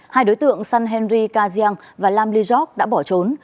hai đối tượng san henry kajian và lam lijok đã bỏ trốn